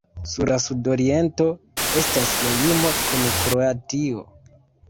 Sur la sudoriento estas la limo kun Kroatio.